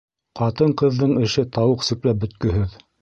Ҡатын-ҡыҙҙың эше тауыҡ сүпләп бөткөһөҙ.